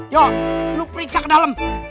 yo lo periksa ke dalem